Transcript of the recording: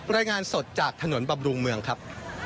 รายงานสดจากถนนบำรุงเมืองครับ